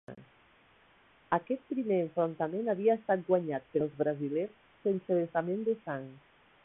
Aquest primer enfrontament havia estat guanyat pels brasilers sense vessament de sang.